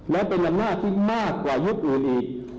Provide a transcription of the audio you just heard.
และเป็นอำนาจที่มากกว่ายุทธ์อื่นอีก